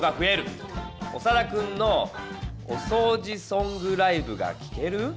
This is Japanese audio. オサダくんの『おそうじソングライブ』が聴ける」？